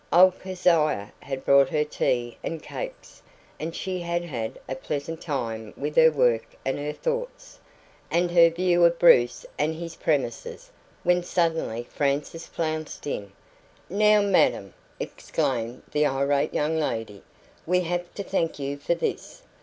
Old Keziah had brought her tea and cakes, and she had had a pleasant time with her work and her thoughts, and her view of Bruce and his premises, when suddenly Frances flounced in. "Now, madam!" exclaimed the irate young lady, "we have to thank you for this.